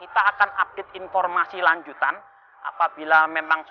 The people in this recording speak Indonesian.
tapi tau juga prosperity